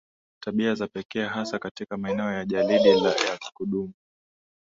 tabia za pekee hasa katika maeneo ya jalidi ya kudumu